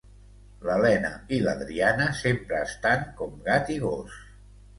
L'Elena i l'Adriana sempre estan com gat i gos